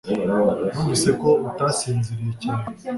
Numvise ko utasinziriye cyane